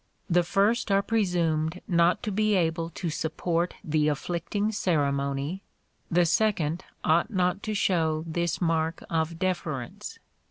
The first are presumed not to be able to support the afflicting ceremony; the second ought not to show this mark of deference.